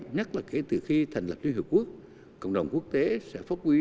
nhất là kể từ khi thành lập liên hợp quốc cộng đồng quốc tế sẽ phát huy